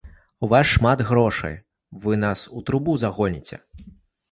У вас шмат грошай, вы нас у трубу загоніце!